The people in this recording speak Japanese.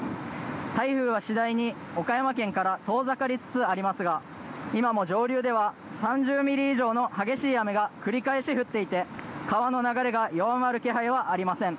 台風は次第に岡山県から遠ざかりつつありますが今も上流では３０ミリ以上の激しい雨が繰り返し降っていて、川の流れが弱まる気配はありません。